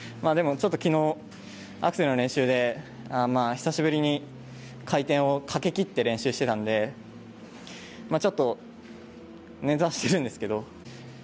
でも、ちょっときのうアクセルの練習で久しぶりに回転をかけきって練習してたので、ちょっとねんざしてるんですけど。